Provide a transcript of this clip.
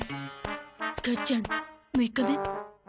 母ちゃん６日目？